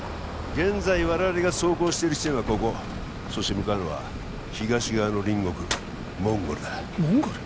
現在我々が走行している地点はここそして向かうのは東側の隣国モンゴルだモンゴル？